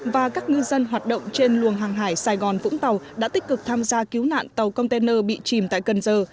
và các ngư dân hoạt động trên luồng hàng hải sài gòn vũng tàu đã tích cực tham gia cứu nạn tàu container bị chìm tại cần giờ